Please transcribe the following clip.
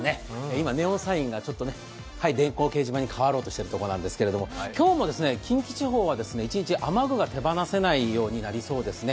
今ネオンサインが電光掲示板に変わろうとしているところなんですけれども、今日も近畿地方は一日、雨具が手放せないようになりそうですね。